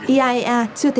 iaea chưa thể tham gia